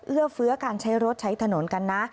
เฟื้อการใช้รถใช้ถนนกันนะ